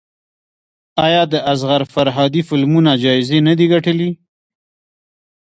آیا د اصغر فرهادي فلمونه جایزې نه دي ګټلي؟